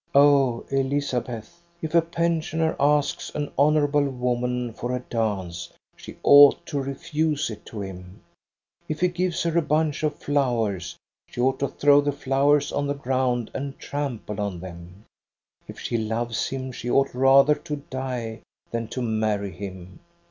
Oh, Elizabeth, if a pensioner asks an honorable woman for a dance she ought to refuse it to him; if he gives her a bunch of flowers she ought to throw the flowers on the ground and trample on them ; if she loves him she ought rather to die than to marry him.